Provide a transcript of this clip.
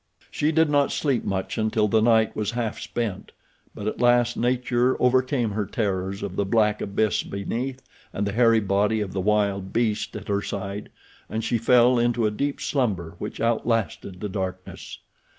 She did not sleep much until the night was half spent; but at last Nature overcame her terrors of the black abyss beneath and the hairy body of the wild beast at her side, and she fell into a deep slumber which outlasted the darkness.